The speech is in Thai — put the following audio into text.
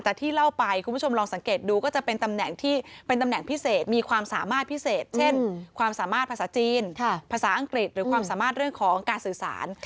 แต่ที่เล่าไปคุณผู้ชมลองสังเกตดูก็จะเป็นตำแหน่งที่เป็นตำแหน่งพิเศษมีความสามารถพิเศษเช่นความสามารถภาษาจีนภาษาอังกฤษหรือความสามารถเรื่องของการสื่อสาร